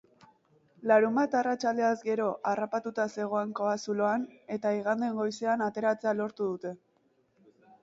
Larunbat arratsaldeaz gero harrapatuta zegoen kobazuloan, eta igande goizean ateratzea lortu dute.